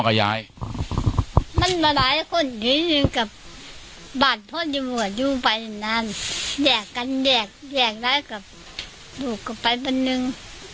มันมาหลายคนอยู่เองกับบาตพลอยู่ไปนานแยกกันแยกแยกแล้วกับลูกกลับไปเป็นนึง